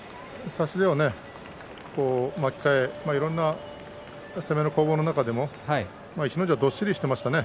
差し手は巻き替えいろいろな攻めの攻防の中で逸ノ城はどっしりしていましたね